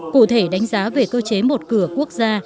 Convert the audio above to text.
cụ thể đánh giá về cơ chế một cửa quốc gia